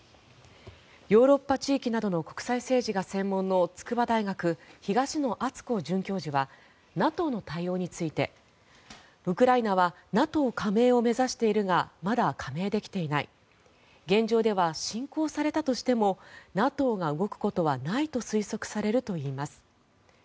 ヨーロッパ地域などの国際政治が専門の筑波大学、東野篤子准教授はＮＡＴＯの対応についてウクライナはＮＡＴＯ加盟を目指しているがまだ加盟できていない現状では侵攻されたとしてもＮＡＴＯが動くことはないと推測されるといいます。